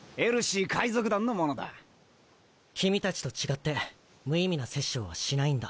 君たちと違って無意味な殺生はしないんだ